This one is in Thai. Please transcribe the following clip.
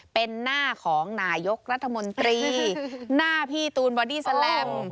เป็นหน้าของนายกรัฐมนตรีหน้าพี่ตูนบอดี้แลม